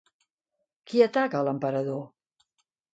Qui ataca a l'emperador?